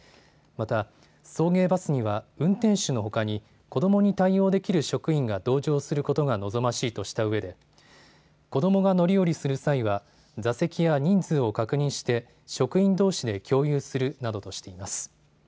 また、送迎バスには運転手のほかに子どもに対応できる職員が同乗することが望ましいとしたうえで、子どもが乗り降りする際は、座席や人数を確認して、職員どうしで共有するなどとしています。